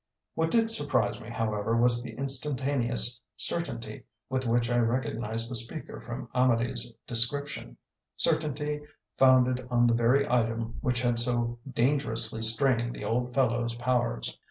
What did surprise me, however, was the instantaneous certainty with which I recognised the speaker from Amedee's description; certainty founded on the very item which had so dangerously strained the old fellow's powers.